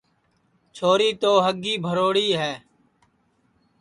چھوری تو ہگی بھروڑی ہے